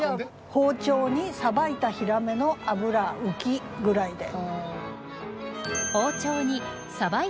「包丁にさばいたヒラメの脂浮き」ぐらいで。